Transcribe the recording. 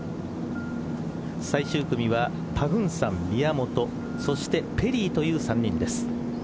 最終組はパグンサン、宮本そしてペリーという３人です。